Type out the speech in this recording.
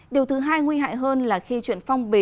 điều thứ hai nguy hại hơn là khi chuyện phong bì